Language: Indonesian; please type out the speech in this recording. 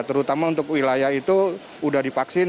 terutama untuk wilayah itu sudah divaksin